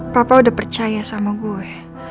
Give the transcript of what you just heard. papa udah percaya sama gue